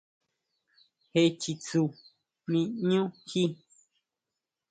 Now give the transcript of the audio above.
Jé chitsun ʼmí ʼñú jí.